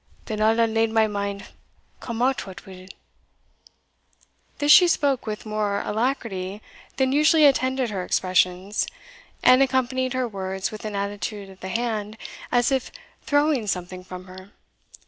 "Then I'll unlade my mind, come o't what will." This she spoke with more alacrity than usually attended her expressions, and accompanied her words with an attitude of the hand, as if throwing something from her.